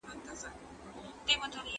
ستا د ښکلي مخ له رويه مې خوښيږي